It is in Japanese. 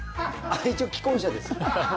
一応、既婚者です。